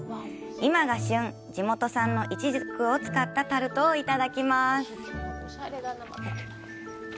今が旬、地元産のイチジクを使ったタルトをいただきます。